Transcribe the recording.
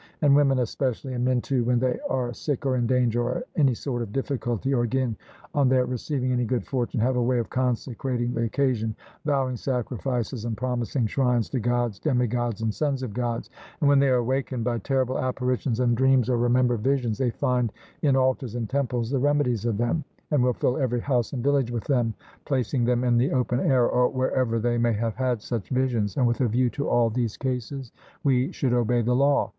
And women especially, and men too, when they are sick or in danger, or in any sort of difficulty, or again on their receiving any good fortune, have a way of consecrating the occasion, vowing sacrifices, and promising shrines to Gods, demigods, and sons of Gods; and when they are awakened by terrible apparitions and dreams or remember visions, they find in altars and temples the remedies of them, and will fill every house and village with them, placing them in the open air, or wherever they may have had such visions; and with a view to all these cases we should obey the law.